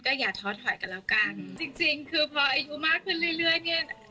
อย่าท้อถอยกันแล้วกันจริงจริงคือพออายุมากขึ้นเรื่อยเรื่อยเนี้ย